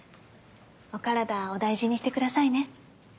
お体お大事にしてくださいね。